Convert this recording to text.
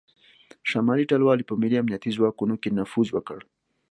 شمالي ټلوالې په ملي امنیتي ځواکونو کې نفوذ وکړ